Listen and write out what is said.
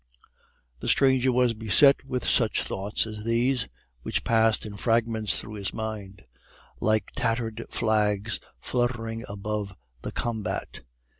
The stranger was beset with such thoughts as these, which passed in fragments through his mind, like tattered flags fluttering above the combat.